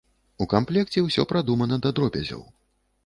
У камплекце ўсё прадумана да дробязяў.